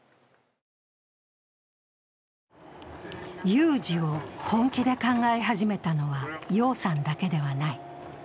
有事を本気で考え始めたのは、姚さんだけではない。